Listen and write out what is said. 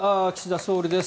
岸田総理です。